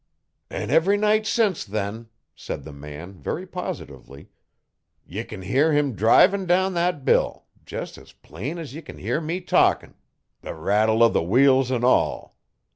'An' every night since then,' said the man, very positively, ye can hear him drivin' down thet hill jes' as plain as ye can hear me talkin' the rattle o' the wheels an' all.